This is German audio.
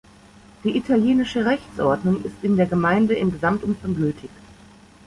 Die italienische Rechtsordnung ist in der Gemeinde im Gesamtumfang gültig.